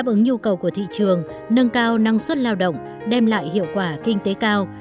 đáp ứng nhu cầu của thị trường nâng cao năng suất lao động đem lại hiệu quả kinh tế cao